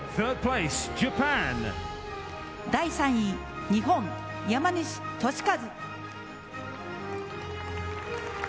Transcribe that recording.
第３位、日本、山西利和。